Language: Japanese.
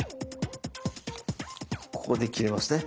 ここで切れますね。